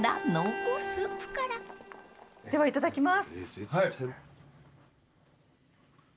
ではいただきます。